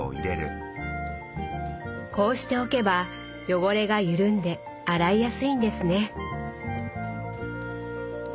こうしておけば汚れが緩んで洗いやすいんですね。